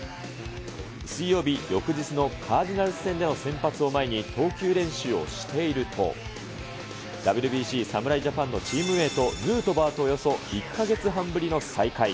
水曜日、翌日のカージナルス戦での先発を前に投球練習をしていると、ＷＢＣ侍ジャパンのチームメート、ヌートバーとおよそ１か月半ぶりの再会。